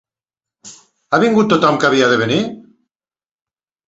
Ha vingut tothom que havia de venir?